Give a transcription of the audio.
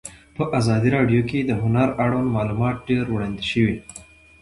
په ازادي راډیو کې د هنر اړوند معلومات ډېر وړاندې شوي.